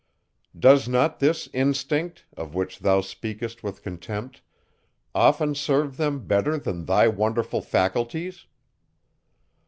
Does not this instinct, of which thou speakest with contempt, often serve them better than thy wonderful faculties?